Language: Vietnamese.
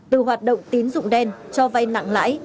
từ hoạt động tín dụng đen cho vay nặng lãi